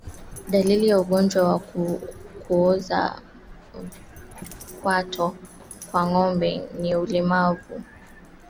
Dalili ya ugonjwa wa kuoza kwato kwa ngombe ni ulemavu walau wa mguu mmoja